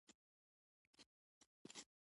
په هند کې ښخه چاړه به پښتانه بېرته را وباسي.